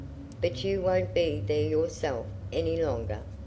"But you won't be there yourself any longer?"